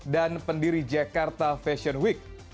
dan pendiri jakarta fashion week